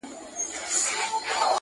ستا په کوڅه کي له اغیار سره مي نه لګیږي-